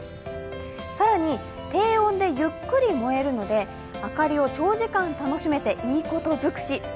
更に低温でゆっくり燃えるので、明かりを長時間楽しめていいこと尽くし。